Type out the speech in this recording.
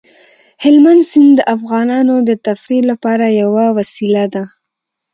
هلمند سیند د افغانانو د تفریح لپاره یوه وسیله ده.